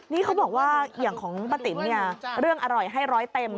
นี่เขาบอกว่าอย่างของป้าติ๋มเนี่ยเรื่องอร่อยให้ร้อยเต็ม